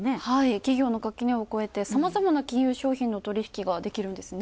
企業の垣根を越えて、さまざまな金融商品の取引ができるんですね。